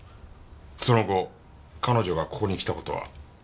その後彼女がここに来た事は？ありません。